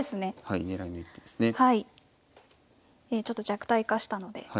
ちょっと弱体化したので。